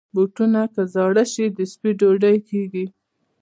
بوټونه که زاړه شي، د سپي ډوډۍ کېږي.